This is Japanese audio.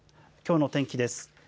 きょうの天気です。